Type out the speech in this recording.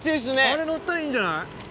あれ乗ったらいいんじゃない？